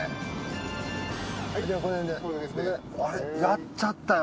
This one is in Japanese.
やっちゃったよ